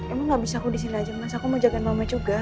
emang gak bisa aku disini aja mas aku mau jagain mama juga